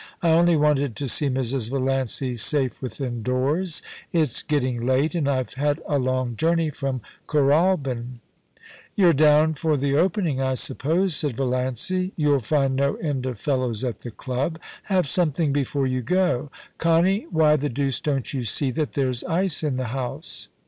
I only wanted to see Mrs. Valiancy safe within doors. It's getting late, and IVe had a long journey from Kooralbyn.' * You're down for the Opening, I suppose,' said Valiancy. * You'll find no end of fellows at the club. Have something before you go. Connie, why the deuce don't you see that there's ice in the house